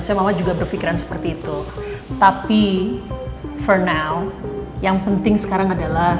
ya itu aja yang penting